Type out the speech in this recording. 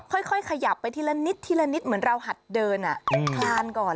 ค่อยขยับไปทีละนิดทีละนิดเหมือนเราหัดเดินคลานก่อน